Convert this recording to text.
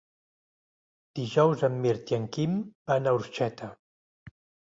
Dijous en Mirt i en Quim van a Orxeta.